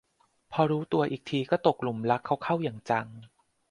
พอรู้ตัวอีกทีก็ตกหลุมรักเขาเข้าอย่างจัง